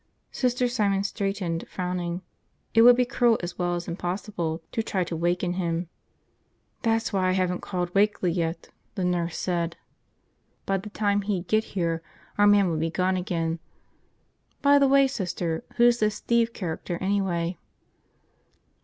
Sister Simon straightened, frowning. It would be cruel, as well as impossible, to try to waken him. "That's why I haven't called Wakeley yet," the nurse said. "By the time he'd get here our man would be gone again. By the way, Sister, who's this Steve character anyway?"